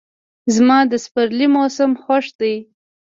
زما د سپرلي موسم خوښ دی.